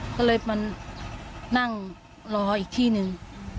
ก็เลยมานั่งรออีกที่หนึ่ง